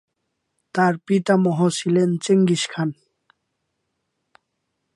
তার পিতামহ ছিলেন চেঙ্গিস খান।